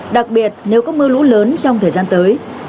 đặc biệt nếu có mưa lũ lớn trong thời gian tới